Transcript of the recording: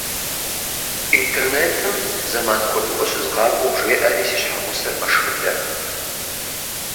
Интернетым зэман куэдыӏуэ щызгъакӏуэу жеӏэри, си щхьэгъусэр мэшхыдэ.